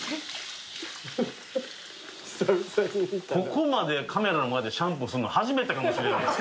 ここまでカメラの前でシャンプーするの初めてかもしれん俺。